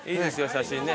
写真ね。